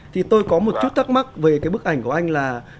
thì tôi có một chút thắc mắc về cái bức ảnh của anh là